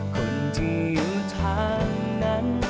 คนที่อยู่ทางนั้น